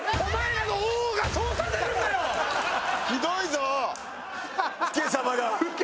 ひどいぞ！